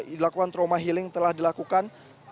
dilakukan trauma healing telah dilakukan